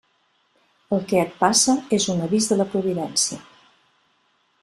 El que et passa és un avís de la Providència.